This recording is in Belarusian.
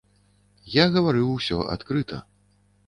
Я гаварыў усё адкрыта.